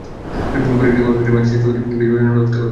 পরে একটি কর্কশিটের মাঝে ছিদ্র করে বীজ বসানোর ব্যবস্থা করতে হবে।